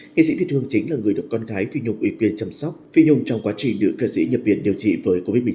nghệ sĩ việt hương chính là người đọc con gái phi nhung uy quyền chăm sóc phi nhung trong quá trình được các sĩ nhập viện điều trị với covid một mươi chín